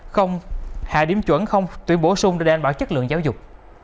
không hạ điểm chuẩn không tuyển bổ sung để đảm bảo chất lượng giáo dục